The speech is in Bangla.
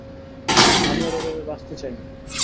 আমি আর এভাবে বাঁচতে চাই না।